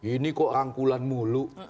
ini kok rangkulan mulu